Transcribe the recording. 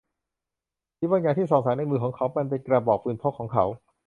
มีบางอย่างที่ส่องแสงในมือของเขา มันเป็นกระบอกปืนพกของเขา